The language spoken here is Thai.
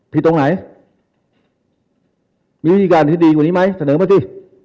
ตรงไหนมีวิธีการที่ดีกว่านี้ไหมเสนอมาสิ